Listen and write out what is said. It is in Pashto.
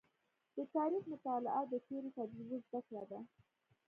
د تاریخ مطالعه د تېرو تجربو زده کړه ده.